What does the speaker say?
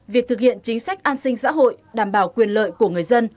việc thực hiện chính sách an sinh xã hội đảm bảo quyền lợi của người dân